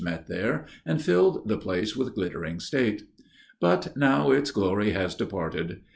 met there and filled the place with glittering state. But now its glory has departed.